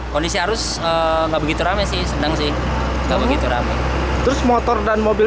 kondisi arus nggak begitu rame sih senang sih nggak begitu rame terus motor dan mobil